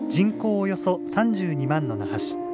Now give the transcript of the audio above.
およそ３２万の那覇市。